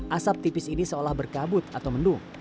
asap tipis ini seolah berkabut atau mendung